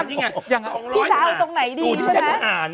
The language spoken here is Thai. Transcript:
พี่จะเอาตรงไหนดีนะ